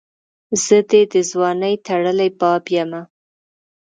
زه دي دځوانۍ ټړلي باب یمه